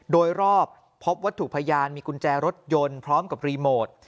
โดยรอบพบวัตถุพยานมีกุญแจรถยนต์พร้อมกับรีโมท